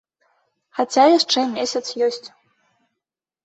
Хаця яшчэ месяц ёсць.